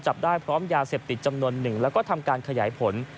จับได้พร้อมยาเสพติดจำนวนหนึ่งแล้วก็ทำการขยายผล